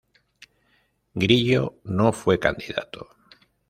Grillo no fue candidato.